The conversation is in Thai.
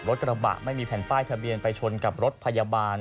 กระบะไม่มีแผ่นป้ายทะเบียนไปชนกับรถพยาบาล